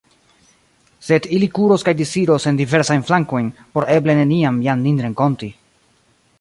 Sed ili kuros kaj disiros en diversajn flankojn, por eble neniam jam nin renkonti.